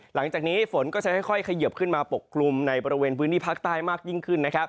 หลังจากนี้ฝนก็จะค่อยเขยิบขึ้นมาปกคลุมในบริเวณพื้นที่ภาคใต้มากยิ่งขึ้นนะครับ